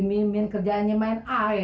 mimin kerjaannya main